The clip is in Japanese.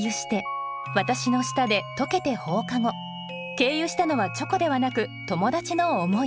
経由したのはチョコではなく友達の思い。